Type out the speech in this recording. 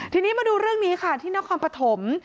ทีนี้มาดูเรื่องนี้ค่ะที่นักความประถม